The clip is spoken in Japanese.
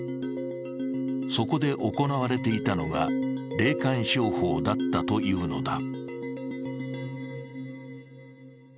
そこで行われていたのが霊感商法だったというのだ。